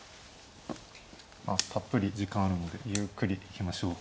たっぷり時間あるのでゆっくり行きましょう。